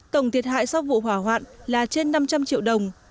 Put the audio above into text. tổng thiệt hại so với vụ hỏa hoạn là trên năm trăm linh triệu đồng